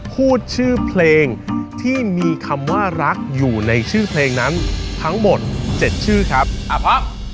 พูดชื่อเพลงที่มีคำว่ารักอยู่ในชื่อเพลงนั้นทั้งหมดเจ็ดชื่อครับอภะ